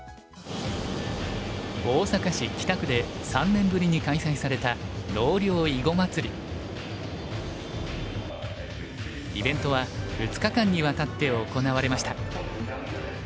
大阪市北区で３年ぶりに開催されたイベントは２日間にわたって行われました。